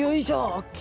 ＯＫ！